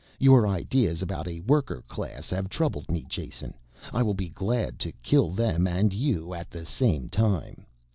Your ideas about a worker class have troubled me Jason. I will be glad to kill them and you at the same time.